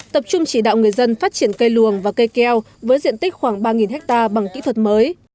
tập trung chỉ đạo người dân phát triển cây luồng và cây keo với diện tích khoảng ba ha bằng kỹ thuật mới